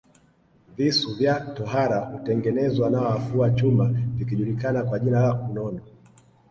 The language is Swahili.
Visu vya tohara hutengenezwa na wafua chuma vikijulikana kwa jina la kunono